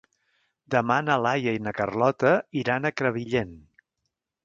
Demà na Laia i na Carlota iran a Crevillent.